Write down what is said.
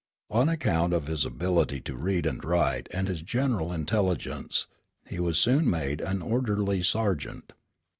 On account of his ability to read and write and his general intelligence, he was soon made an orderly sergeant.